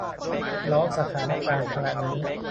ล้อสถานการณ์ขณะนั้น